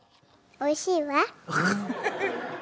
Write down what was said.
おいしいわ。